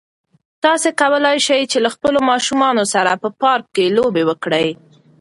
تاسو کولای شئ چې له خپلو ماشومانو سره په پارک کې لوبې وکړئ.